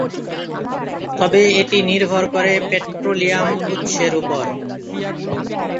তবে এটি নির্ভর করে পেট্রোলিয়াম উৎসের উপর।